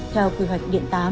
theo quy hoạch điện tám